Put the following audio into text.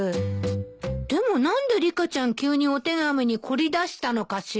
でも何でリカちゃん急にお手紙に凝りだしたのかしら？